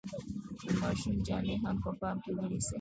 د ماشوم جامې هم په پام کې ونیسئ.